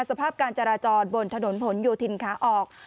สภาพการจราจรบนถนนผลโยธินขาออก